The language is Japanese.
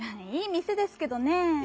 いいみせですけどねぇ。